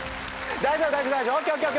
大丈夫！